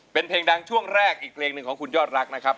เป็นเพลงดังช่วงแรกอีกเพลงหนึ่งของคุณยอดรักนะครับ